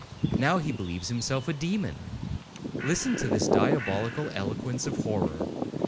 Now he believes himself a demon; listen to his diabolical eloquence of horror!'